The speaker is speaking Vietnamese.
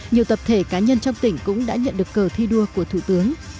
nhiều tập thể cá nhân trong tỉnh cũng đã nhận được cờ thi đua của thủ tướng